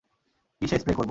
কীসে স্প্রে করবো?